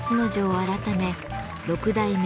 改め六代目